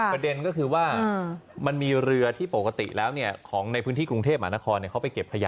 ประเด็นก็คือว่ามันมีเรือที่ปกติแล้วของในพื้นที่กรุงเทพหมานครเขาไปเก็บขยะ